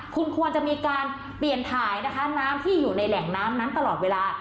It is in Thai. คุณควรจะมีการเปลี่ยนถ่ายนะคะน้ำที่อยู่ในแหล่งน้ำนั้นตลอดเวลา